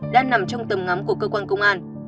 đang nằm trong tầm ngắm của cơ quan công an